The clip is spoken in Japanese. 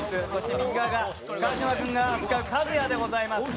右側が、川島君が使う一八でございます。